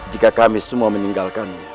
jika kami semua meninggalkanmu